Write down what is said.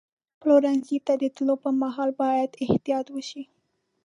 پلورنځي ته د تللو پر مهال باید احتیاط وشي.